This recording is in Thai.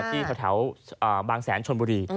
ที่แถวบางแสนชนบุรี